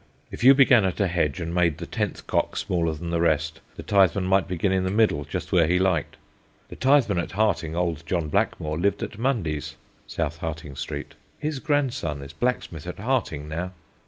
If you began at a hedge and made the tenth cock smaller than the rest, the Titheman might begin in the middle just where he liked. The Titheman at Harting, old John Blackmore, lived at Mundy's [South Harting Street]. His grandson is blacksmith at Harting now.